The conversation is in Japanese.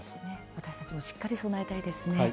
私たちもしっかり備えたいですね。